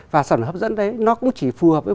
và sản phẩm hấp dẫn đấy nó cũng chỉ phù hợp với